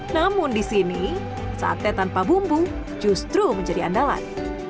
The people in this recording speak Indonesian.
namun di sini sate tanpa bumbu justru menjadi andalan